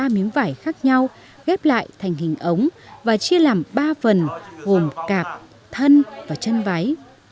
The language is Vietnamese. ba miếng vải khác nhau ghép lại thành hình ống và chia làm ba phần gồm cặp thân và chân váy